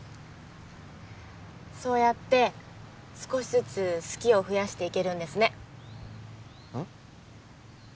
そうやって少しずつ好きを増やしていけるんですねうん？